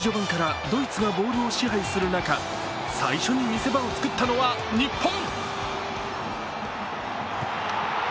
試合序盤からドイツがボールを支配する中、最初に見せ場を作ったのは日本。